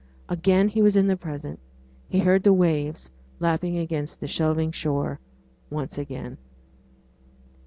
Again he was in the present: he heard the waves lapping against the shelving shore once again.